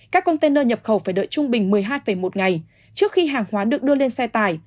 các container nhập khẩu phải đợi trung bình một mươi hai một ngày